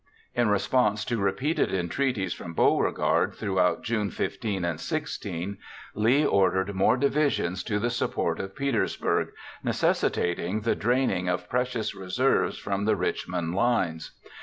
In response to repeated entreaties from Beauregard throughout June 15 and 16, Lee ordered more divisions to the support of Petersburg, necessitating the draining of precious reserves from the Richmond lines.